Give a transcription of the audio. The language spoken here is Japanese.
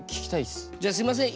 じゃすいません。